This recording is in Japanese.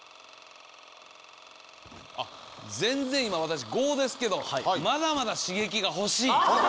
全然今私５ですけどまだまだ刺激が欲しい。